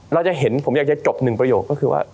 เราจะเห็นผมอยากจะจบหนึ่งประโยคก็คือว่า